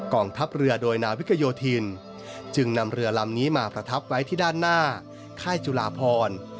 งทัพเรือโดยนาวิกโยธินจึงนำเรือลำนี้มาประทับไว้ที่ด้านหน้าค่ายจุลาพร